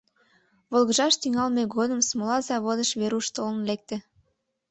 Волгыжаш тӱҥалме годым смола заводыш Веруш толын лекте.